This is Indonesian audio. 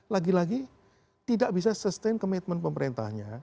lagi lagi tidak bisa sustain komitmen pemerintahnya